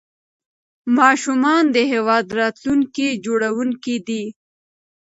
ماشومان د هیواد راتلونکي جوړونکي دي.